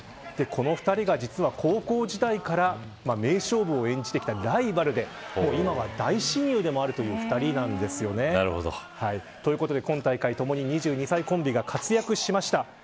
この２人が、実は高校時代から名勝負を演じてきたライバルで今は大親友でもあるという二人なんですよね。ということで、今大会ともに２２歳コンビが活躍しました。